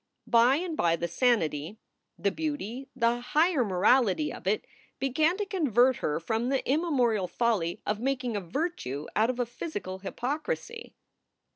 By and by the sanity, the beauty, the higher morality of it began to convert her from the immemorial folly of making a virtue out of a physical hypocrisy.